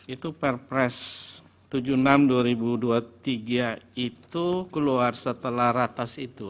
itu perpres tujuh puluh enam dua ribu dua puluh tiga itu keluar setelah ratas itu